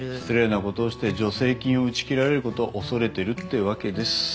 失礼なことをして助成金を打ち切られることを恐れてるってわけです。